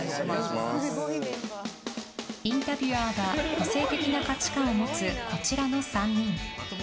インタビュアーは個性的な価値観を持つこちらの３人。